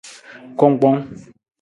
Kungkpong.